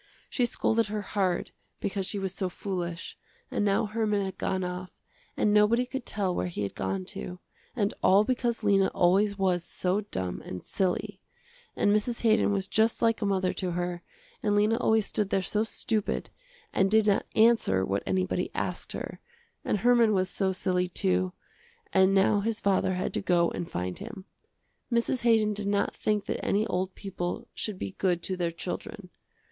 She scolded her hard because she was so foolish, and now Herman had gone off and nobody could tell where he had gone to, and all because Lena always was so dumb and silly. And Mrs. Haydon was just like a mother to her, and Lena always stood there so stupid and did not answer what anybody asked her, and Herman was so silly too, and now his father had to go and find him. Mrs. Haydon did not think that any old people should be good to their children.